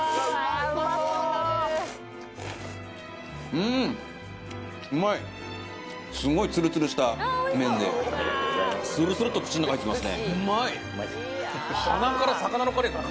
うんうまいすごいツルツルした麺でスルスルっと口ん中入ってきます